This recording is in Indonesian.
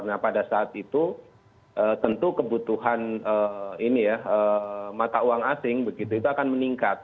nah pada saat itu tentu kebutuhan ini ya mata uang asing begitu itu akan meningkat